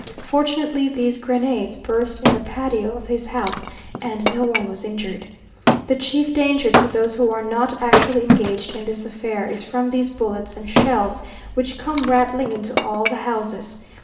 Fortunately, these grenades burst in the patio of his house, and no one was injured. The chief danger to those who are not actually engaged in this affair, is from these bullets and shells, which come rattling into all the houses.